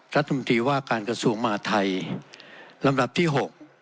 รัฐมนตรีว่าการกระทรวงมหาทัยลำดับที่๖